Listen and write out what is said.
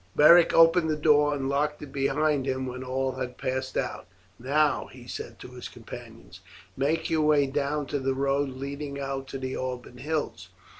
Beric opened the door and locked it behind him when all had passed out. "Now," he said to his companions, "make your way down to the road leading out to the Alban Hills.